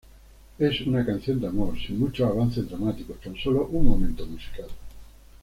Es una canción de amor, sin mucho avance dramático, tan sólo un momento musical.